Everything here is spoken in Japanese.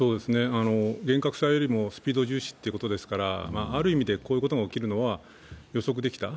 厳格さよりもスピード重視ということですからある意味でこういうことが起きるのは予測できた。